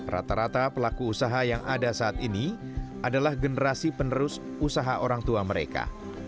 rata rata pelaku usaha yang ada saat ini adalah generasi penerus usaha orang tua mereka